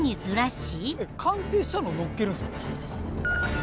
完成したの載っけるんすか。